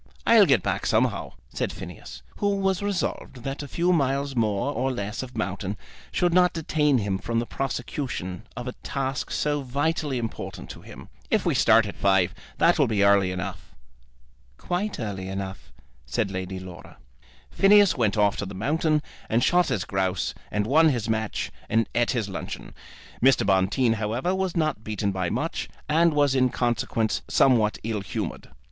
"I'll get back somehow," said Phineas, who was resolved that a few miles more or less of mountain should not detain him from the prosecution of a task so vitally important to him. "If we start at five that will be early enough." "Quite early enough," said Lady Laura. Phineas went off to the mountains, and shot his grouse, and won his match, and eat his luncheon. Mr. Bonteen, however, was not beaten by much, and was in consequence somewhat ill humoured.